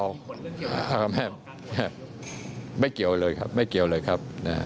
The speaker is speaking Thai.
การที่คุณทัศน์ศิลป์จะกลับประเทศไหนครับ